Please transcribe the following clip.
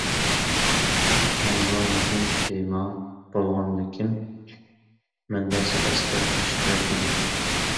ئەمما، مۇھىم تېما بولغاندىكىن مەنبەسى ئەسكەرتىلىشى كېرەك ئىدى.